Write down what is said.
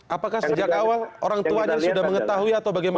apakah sejak awal orang tuanya sudah mengetahui atau bagaimana